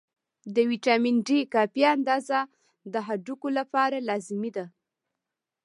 د ویټامین D کافي اندازه د هډوکو لپاره لازمي ده.